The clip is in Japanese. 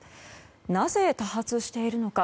なぜ多発しているのか。